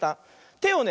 てをね